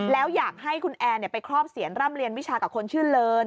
แล้วอยากให้คุณแอร์ไปครอบเสียนร่ำเรียนวิชากับคนชื่อเลิน